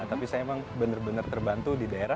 tapi saya memang benar benar terbantu di daerah